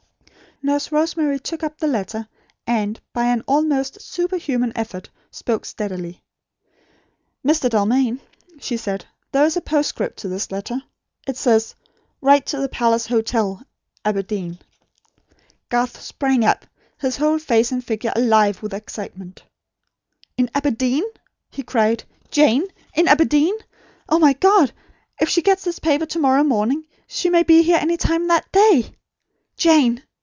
Nurse Rosemary took up the letter; and, by an almost superhuman effort, spoke steadily. "Mr. Dalmain," she said; "there is a postscript to this letter. It says: 'Write to The Palace Hotel, Aberdeen.'" Garth sprang up, his whole face and figure alive with excitement. "In Aberdeen?" he cried. "Jane, in Aberdeen! Oh, my God! If she gets this paper to morrow morning, she may be here any time in the day. Jane!